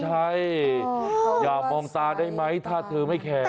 ใช่อย่ามองตาได้ไหมถ้าเธอไม่แคร์